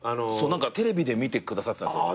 テレビで見てくださってたんです。